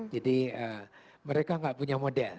jadi mereka gak punya model